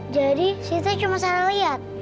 jadi sita cuma salah lihat